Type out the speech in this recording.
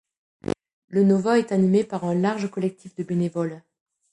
Le Nova est animé par un large collectif de bénévoles.